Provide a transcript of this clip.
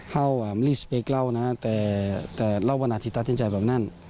เขาไม่รีสเปคเรานะแต่เราบรรทิตรจินใจแบบนั้น